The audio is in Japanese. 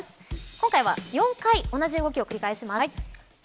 今回は４回同じ動きを繰り返します。